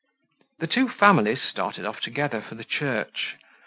The two families started off together for the church.